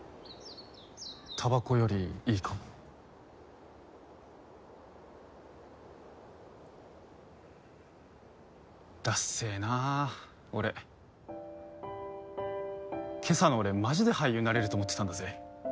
たばこよりいいかもだっせえな俺今朝の俺マジで俳優になれると思ってたんだぜ